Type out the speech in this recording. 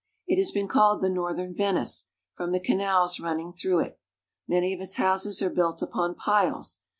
It has been called the Northern Venice, from the canals running through it. Many of its houses are built upon piles.